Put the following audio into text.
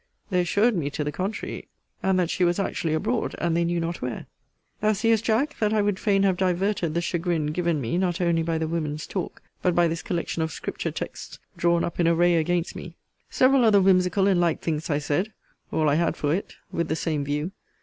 They assured me to the contrary; and that she was actually abroad, and they knew not where. Thou seest, Jack, that I would fain have diverted the chagrin given me not only by the women's talk, but by this collection of Scripture texts drawn up in array against me. Several other whimsical and light things I said [all I had for it!] with the same view.